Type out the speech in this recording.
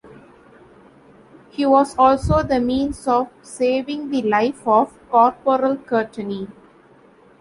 He was also the means of saving the life of Corporal Courtney.